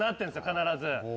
必ず。